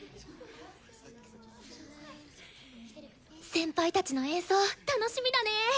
先輩たちの演奏楽しみだね。